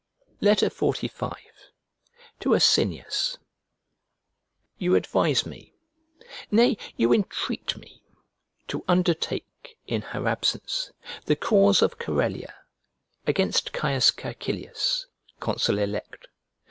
XLV To ASINIUS You advise me, nay you entreat me, to undertake, in her absence, the cause of Corellia, against C. Caecilius, consul elect.